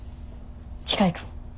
近いかも。